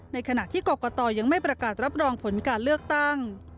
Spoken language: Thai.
ในขณะที่กรกตยังไม่ประกาศรับรองผลการเลือกตั้ง